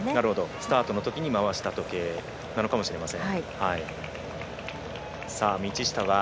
スタートのときに回した時計かもしれません。